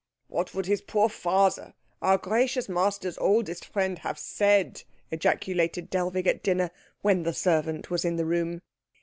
"What would his poor father, our gracious master's oldest friend, have said!" ejaculated Dellwig at dinner, when the servant was in the room.